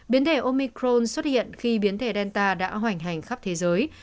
biến thể omicron xuất hiện khi biến thể delta đã hoành hành khắp thế giới